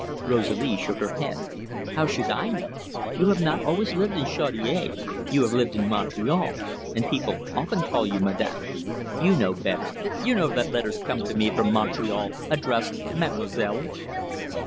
Rosalie shook her head. "How should I know? You have not always lived in Chaudiere, you have lived in Montreal, and people often call you Madame." "You know better. You know that letters come to me from Montreal addressed Mademoiselle."